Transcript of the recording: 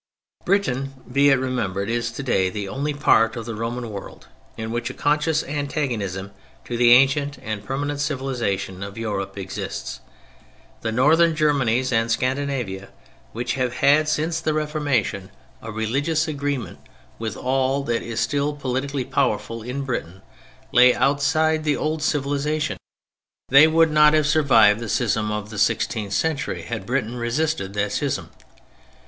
Britain, be it remembered, is today the only part of the Roman world in which a conscious antagonism to the ancient and permanent civilization of Europe exists. The Northern Germanies and Scandinavia, which have had, since the Reformation, a religious agreement with all that is still politically powerful in Britain, lay outside the old civilization. They would not have survived the schism of the sixteenth century had Britain resisted that schism.